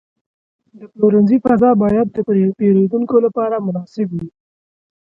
د پلورنځي فضا باید د پیرودونکو لپاره مناسب وي.